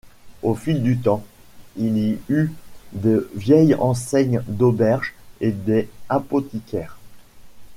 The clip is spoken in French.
Au fil du temps, il y eut de vieilles enseignes d'auberges et des apothicaires.